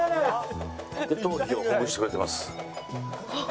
で頭皮をほぐしてくれてます。